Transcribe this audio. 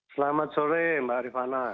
selamat sore mbak arifana